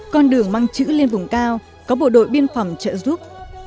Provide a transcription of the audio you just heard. con đường mang chữ lên vùng cao có bộ đội biên phòng trợ giúp